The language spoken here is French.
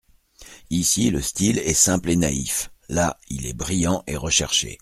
Ici, le style est simple et naïf ; là, il est brillant et recherché.